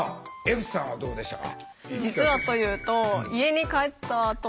歩さんはどうでしたか？